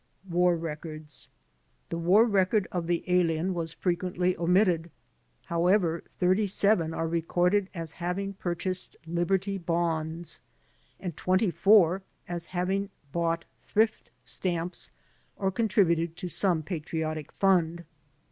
War Records The war record of the alien was frequently omitted. However, 37 are recorded as having purchased Liberty bonds and 24 as having bought thrift stamps or con tributed to some patriotic fimd.